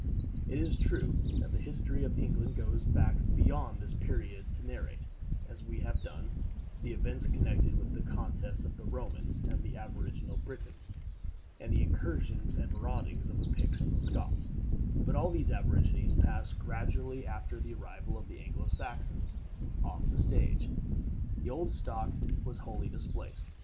It is true that the history of England goes back beyond this period to narrate, as we have done, the events connected with the contests of the Romans and the aboriginal Britons, and the incursions and maraudings of the Picts and Scots; but all these aborigines passed gradually after the arrival of the Anglo Saxons off the stage. The old stock was wholly displaced.